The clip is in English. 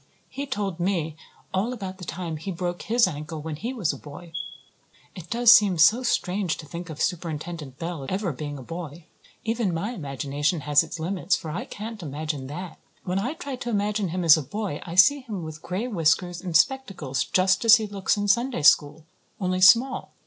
He told me all about the time he broke his ankle when he was a boy. It does seem so strange to think of Superintendent Bell ever being a boy. Even my imagination has its limits, for I can't imagine that. When I try to imagine him as a boy I see him with gray whiskers and spectacles, just as he looks in Sunday school, only small.